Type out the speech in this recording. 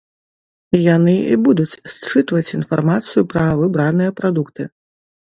Яны і будуць счытваць інфармацыю пра выбраныя прадукты.